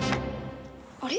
あれ？